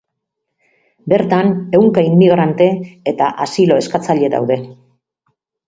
Bertan ehunka immigrante eta asilo-eskatzaile daude.